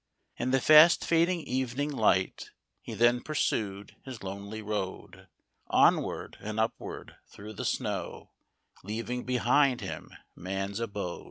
In the fast fading evening light He then pursued his lonely road, Onward and upward through the snow, Leaving behind him man's abode.